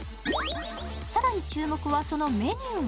更に注目はそのメニュー。